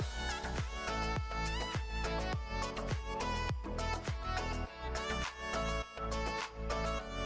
sampai jumpa lagi